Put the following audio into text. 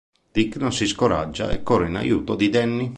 Dick non si scoraggia e corre in aiuto di Danny.